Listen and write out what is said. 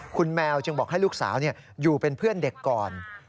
คุณแมวจึงบอกให้ลูกสาวอยู่เป็นเพื่อนเด็กก่อน